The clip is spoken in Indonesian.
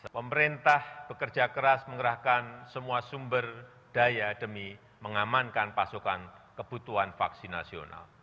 pemerintah bekerja keras mengerahkan semua sumber daya demi mengamankan pasokan kebutuhan vaksin nasional